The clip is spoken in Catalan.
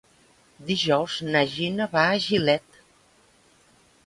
Dijous na Gina va a Gilet.